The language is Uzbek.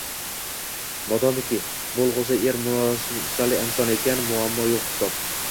Modomiki, bo'lg'usi er murosali inson ekan, muammo yo'q hisob.